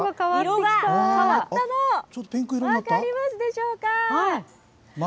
色が変わったの、分かりますでしょうか。